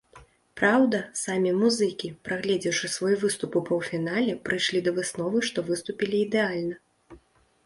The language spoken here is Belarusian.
Праўда, самі музыкі, праглядзеўшы свой выступ ў паўфінале, прыйшлі да высновы, што выступілі ідэальна.